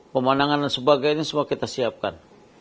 pemandangan dan sebagainya semua kita siapkan